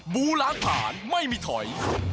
บูล้างผ่านไม่มีถอย